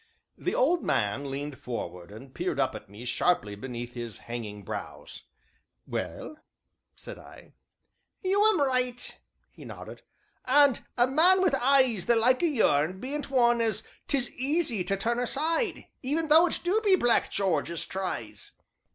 The old man leaned forward and peered up at me sharply beneath his hanging brows. "Well?" said I. "You'm right!" he nodded, "and a man wi' eyes the like o' yourn bean't one as 'tis easy to turn aside, even though it do be Black Jarge as tries."